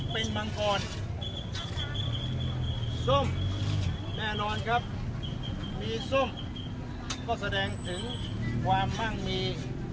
เป็นมังกรส้มแน่นอนครับมีส้มก็แสดงถึงความมั่งมี